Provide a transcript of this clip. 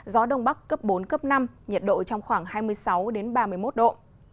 gió đông bắc cấp bốn cấp năm nhiệt độ trong khoảng hai mươi sáu ba mươi một độ